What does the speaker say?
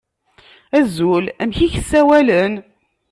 Azul, amek i k-ssawalen?